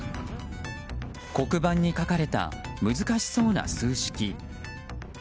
黒板に書かれた難しそうな数式。